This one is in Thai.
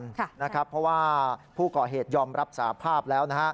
ค่ะนะครับเพราะว่าผู้ก่อเหตุยอมรับสาภาพแล้ว